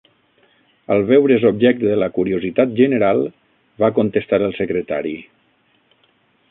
Al veure's objecte de la curiositat general, va contestar el Secretari: